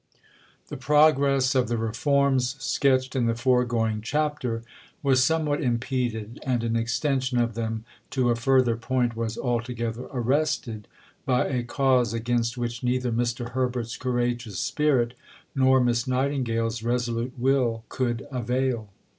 The progress of the reforms, sketched in the foregoing chapter, was somewhat impeded, and an extension of them to a further point was altogether arrested, by a cause against which neither Mr. Herbert's courageous spirit nor Miss Nightingale's resolute will could avail.